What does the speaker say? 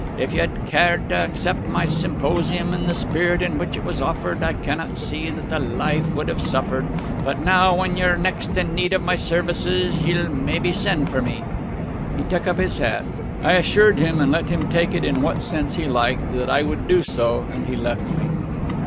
"If you'd cared to accept my symposium in the spirit in which it was offered, I cannot see that the 'Life' would have suffered. But now, when you're next in need of my services, ye'll mebbe send for me." He took up his hat. I assured him, and let him take it in what sense he liked, that I would do so; and he left me.